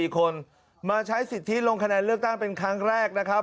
๔คนมาใช้สิทธิลงคะแนนเลือกตั้งเป็นครั้งแรกนะครับ